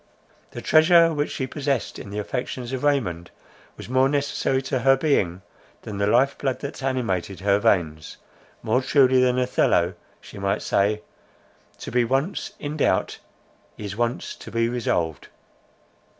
The treasure which she possessed in the affections of Raymond, was more necessary to her being, than the life blood that animated her veins—more truly than Othello she might say, To be once in doubt, Is—once to be resolved.